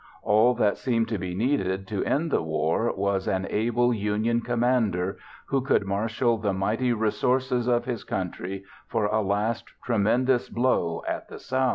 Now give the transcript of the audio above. All that seemed to be needed to end the war was an able Union commander who could marshal the mighty resources of his country for a last tremendous blow at the South.